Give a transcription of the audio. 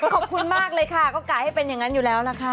ขอบคุณมากเลยค่ะก็กะให้เป็นอย่างนั้นอยู่แล้วล่ะค่ะ